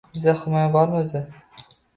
Bizda himoya bormi o‘zi?